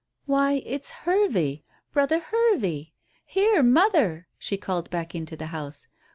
"Why, it's Hervey brother Hervey. Here, mother," she called back into the house.